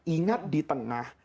ingat di tengah